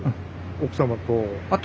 奥様と。